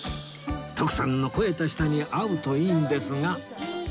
徳さんの肥えた舌に合うといいんですが